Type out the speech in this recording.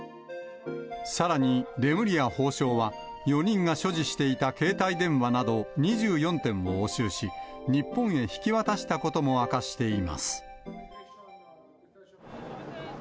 さらにレムリヤ法相は、４人が所持していた携帯電話など２４点を押収し、日本へ引き渡したことも明かしています。